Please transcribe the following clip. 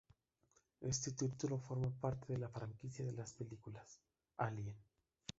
Este título forma parte de la franquicia de las películas "Alien".